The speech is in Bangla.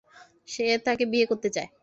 সে তাকে বিয়ে করতে চায়।